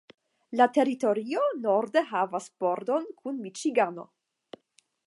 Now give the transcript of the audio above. La teritorio norde havas bordon kun Miĉigano.